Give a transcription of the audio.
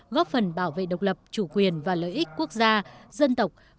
góp phần bảo vệ độc lập chủ quyền và lợi ích quốc gia dân tộc